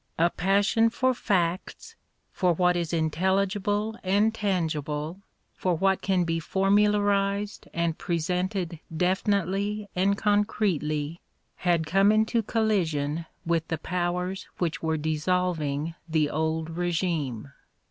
A passion for facts, for what is intelligible and tangible, for what can be formu larised and presented definitely and concretely, had come into collision with the powers which were dissolving the old regime.